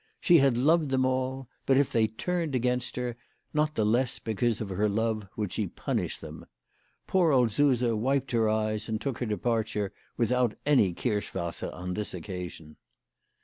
She had loved them all ; but, if they turned against her, not the less because of her love would she punish them, Poor old Suse wiped her eyes and took her departure, without any kirsch wasser on this occasion.